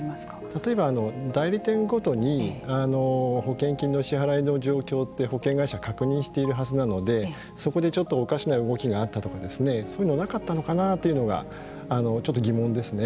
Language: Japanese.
例えば、代理店ごとに保険金の支払いの状況って保険会社は確認しているはずなのでそこでちょっとおかしな動きがあったとかそういうのなかったのかなというのがちょっと疑問ですね。